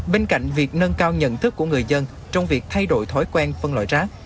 vì việc nâng cao nhận thức của người dân trong việc thay đổi thói quen phân loại rác